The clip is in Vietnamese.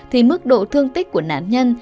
thì mức độ thương tích của nạn nhân